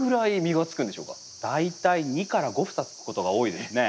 大体２から５房つくことが多いですね。